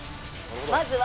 まずは。